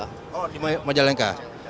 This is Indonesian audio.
oh di majalengga